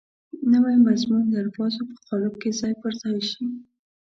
نوی مضمون د الفاظو په قالب کې ځای پر ځای شي.